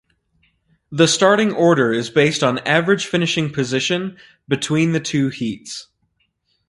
The starting order is based on average finishing position between the two heats.